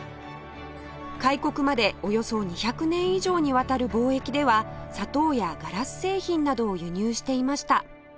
開国までおよそ２００年以上にわたる貿易では砂糖やガラス製品などを輸入していました